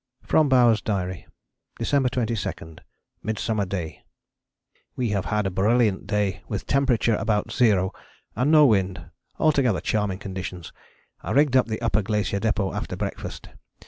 From Bowers' Diary December 22. Midsummer Day. We have had a brilliant day with a temperature about zero and no wind, altogether charming conditions. I rigged up the Upper Glacier Depôt after breakfast.